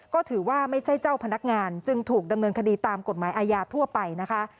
ก็ถือว่าไม่ใช่เจ้าพนักงานจึงถูกดำเนินคดีตามกฎหมายอาญาทั่วไปนะคะ